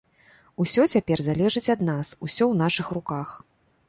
Усё цяпер залежыць ад нас, усё ў нашых руках.